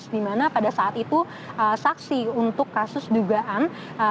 dimana pada saat itu saksi untuk kasus dugaan